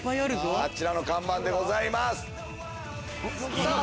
あちらの看板でございます。